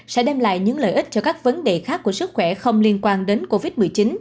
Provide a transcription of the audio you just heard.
sẽ đem lại những lợi ích cho các vấn đề khác của sức khỏe không liên quan đến covid một mươi chín